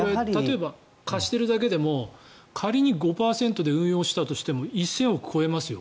貸しているだけでも仮に５％で運用したとしても１０００億を超えますよ。